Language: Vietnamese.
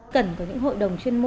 cần có những hội đồng chuyên nghiệp